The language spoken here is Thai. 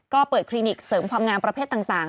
ก็เปิดคลินิกเสริมความงามประเภทต่าง